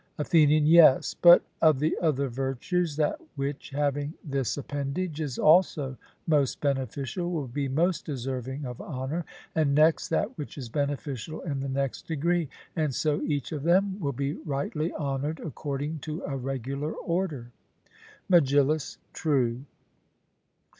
ATHENIAN: Yes; but of the other virtues, that which having this appendage is also most beneficial, will be most deserving of honour, and next that which is beneficial in the next degree; and so each of them will be rightly honoured according to a regular order. MEGILLUS: True.